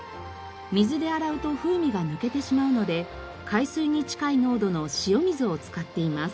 水で洗うと風味が抜けてしまうので海水に近い濃度の塩水を使っています。